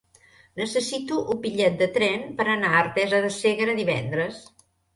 Necessito un bitllet de tren per anar a Artesa de Segre divendres.